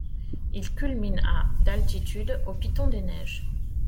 Il culmine à d'altitude au piton des Neiges.